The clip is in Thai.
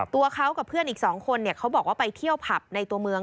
ตัวเขากับเพื่อนอีก๒คนเขาบอกว่าไปเที่ยวผับในตัวเมือง